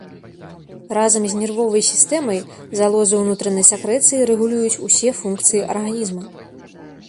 Разам з нервовай сістэмай залозы ўнутранай сакрэцыі рэгулююць усе функцыі арганізма.